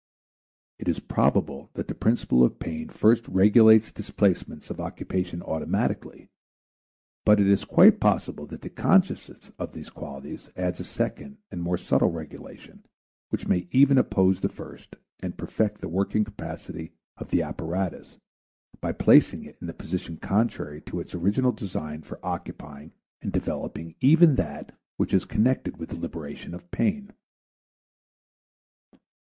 It is probable that the principle of pain first regulates the displacements of occupation automatically, but it is quite possible that the consciousness of these qualities adds a second and more subtle regulation which may even oppose the first and perfect the working capacity of the apparatus by placing it in a position contrary to its original design for occupying and developing even that which is connected with the liberation of pain.